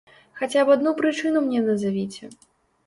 Хаця б адну прычыну мне назавіце!